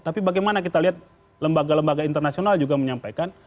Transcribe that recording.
tapi bagaimana kita lihat lembaga lembaga internasional juga menyampaikan